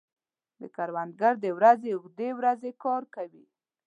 کروندګر د ورځې اوږدې ورځې کار کوي